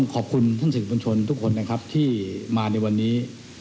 ขอบคุณท่านสื่อบัญชนทุกคนนะครับที่มาในวันนี้